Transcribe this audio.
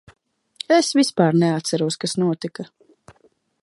Es vispār neatceros, kas notika.